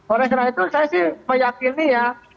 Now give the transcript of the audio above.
oleh karena itu saya sih meyakini ya